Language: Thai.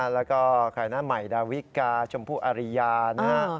แล้วก็ขายหน้าใหม่ดาวิกกาชมพู่อาริยานะ